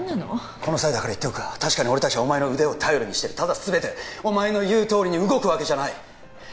この際だから言っておくが確かに俺達はお前の腕を頼りにしてるただ全てお前の言うとおりに動くわけじゃない！